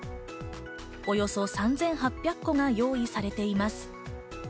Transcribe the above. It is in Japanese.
およそ３８００戸が用意されています。